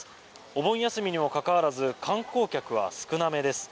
お盆休みにもかかわらず観光客は少なめです。